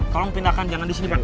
tolong pindahkan jangan di sini pak